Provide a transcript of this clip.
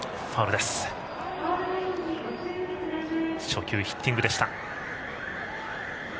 初球はヒッティングでした。